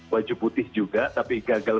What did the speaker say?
baju putih juga tapi gagal